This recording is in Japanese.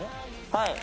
はい。